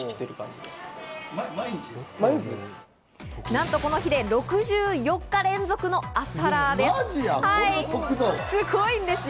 なんとこの日で６４日連続の朝ラーです。